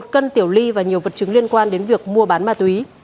một cân tiểu ly và nhiều vật chứng liên quan đến việc mua bán ma túy